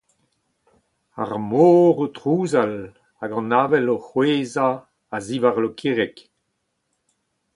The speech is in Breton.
Ar mor o trouzal hag an avel o c'hwezhañ a-ziwar Lokireg.